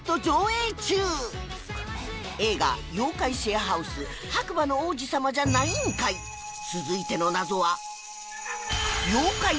『映画妖怪シェアハウス−白馬の王子様じゃないん怪−』続いての謎は